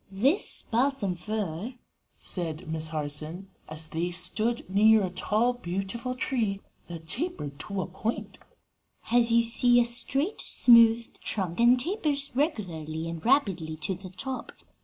"This balsam fir," said Miss Harson as they stood near a tall, beautiful tree that tapered to a point, "has, you see, a straight, smooth trunk and tapers regularly and rapidly to the top.